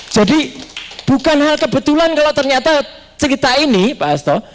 jadi bukan hal kebetulan kalau ternyata cerita ini pak asto